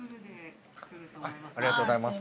ありがとうございます。